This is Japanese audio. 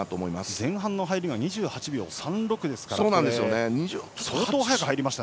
前半の入りが２８秒３６でした。